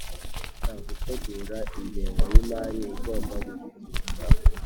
d gutegura ingengo y imari igomba gushyikirizwa